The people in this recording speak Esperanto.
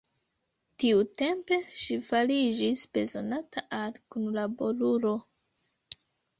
Tiutempe ŝi fariĝis bezonata al kunlaborulo.